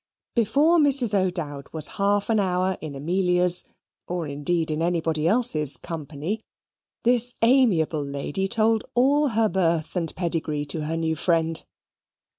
Before Mrs. O'Dowd was half an hour in Amelia's (or indeed in anybody else's) company, this amiable lady told all her birth and pedigree to her new friend.